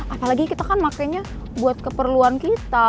apalagi kita kan pakainya buat keperluan kita